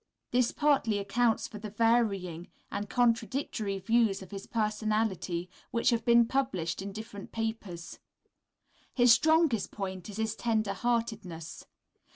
This partly accounts for the varying and contradictory views of his personality which have been published in different papers. His strongest point is his tender heartedness.